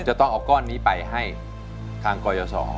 จะต้องเอาก้อนนี้ไปให้ทางกรยศ